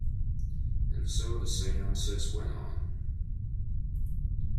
And so the seances went on.